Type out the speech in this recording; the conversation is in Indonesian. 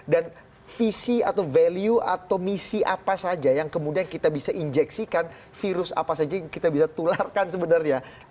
dan visi atau value atau misi apa saja yang kemudian kita bisa injeksikan virus apa saja yang kita bisa tularkan sebenarnya